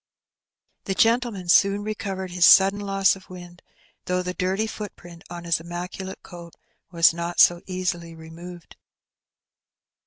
The gentleman soon recovered his sudden loss of wind, though the dirty footprint on his immaculate coat was not so easily removed.